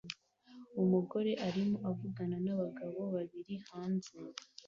Umugore arimo avugana nabagabo babiri hanze